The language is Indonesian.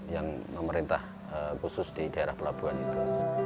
yang memerintah khusus di daerah pelabuhan itu